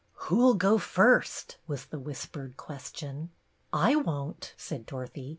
"Who'll go first?" was the whispered question. " I won't," said Dorothy.